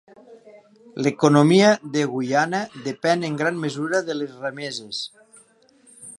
L'economia de Guyana depèn en gran mesura de les remeses.